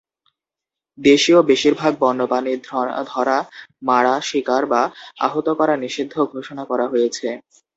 দেশীয় বেশিরভাগ বন্যপ্রাণী ধরা, মারা, শিকার বা আহত করা নিষিদ্ধ ঘোষণা করা হয়েছে।